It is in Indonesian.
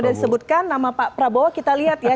kalau udah disebutkan nama pak prabowo kita lihat ya